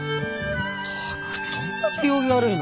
ったくどんだけ行儀悪いの。